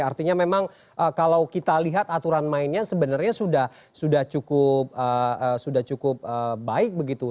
artinya memang kalau kita lihat aturan mainnya sebenarnya sudah cukup baik begitu